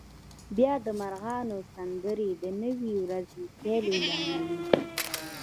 بیا د مرغانو سندرې د نوې ورځې پیل اعلانوي